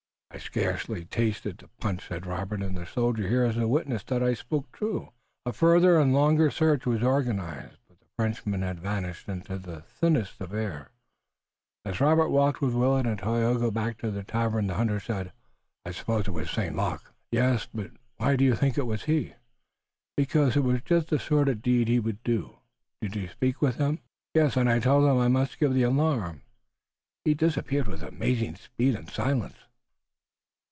"I scarce tasted the punch," said Robert, "and the soldier here is witness that I spoke true." A farther and longer search was organized, but the Frenchman had vanished into the thinnest of thin air. As Robert walked with Willet and Tayoga back to the tavern, the hunter said: "I suppose it was St. Luc?" "Yes, but why did you think it was he?" "Because it was just the sort of deed he would do. Did you speak with him?" "Yes, and I told him I must give the alarm. He disappeared with amazing speed and silence."